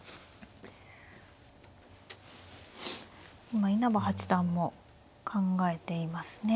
今稲葉八段も考えていますね。